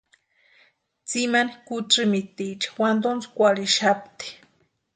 Tsimani kutsïmitiecha wantontskwarhixapti.